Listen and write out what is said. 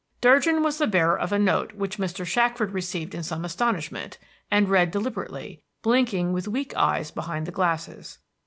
Durgin was the bearer of a note which Mr. Shackford received in some astonishment, and read deliberately, blinking with weak eyes behind the glasses.